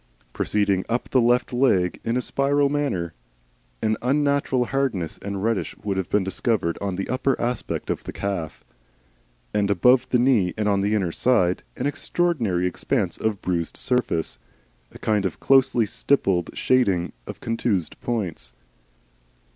Proceeding up the left leg in a spiral manner, an unnatural hardness and redness would have been discovered on the upper aspect of the calf, and above the knee and on the inner side, an extraordinary expanse of bruised surface, a kind of closely stippled shading of contused points.